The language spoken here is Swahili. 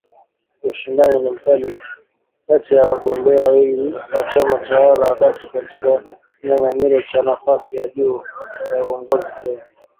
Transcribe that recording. ushindani ni mkali kati ya wagombea wawili wa chama tawala wakati katika kinyang’anyiro cha nafasi ya juu ya uongozi Kenya.